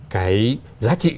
cái giá trị